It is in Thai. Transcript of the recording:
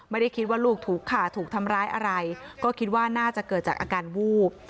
ไม่ได้คิดว่าลูกถูกขาถูกทำร้ายอะไรก็คิดว่าน่าจะเกิดจากอาการวูบ